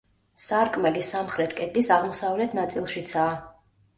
სარკმელი სამხრეთ კედლის აღმოსავლეთ ნაწილშიცაა.